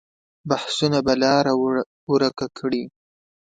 بحثونه به لاره ورکه کړي.